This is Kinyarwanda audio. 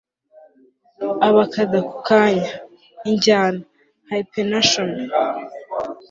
abakada ako kanya, injyana, hyphenation